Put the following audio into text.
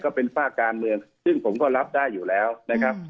ก็เป็นฝากการเมืองซึ่งผมก็รับได้อยู่แล้วนะครับ